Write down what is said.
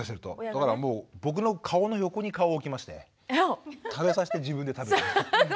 だからもう僕の顔の横に顔を置きましてね食べさせて自分で食べて。